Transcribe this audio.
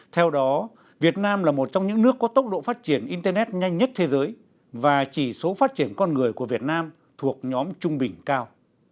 theo đó việt nam là một trong những nước có tốc độ phát triển internet nhanh nhất thế giới và chỉ số phát triển con người của việt nam thuộc nhóm trung bình cao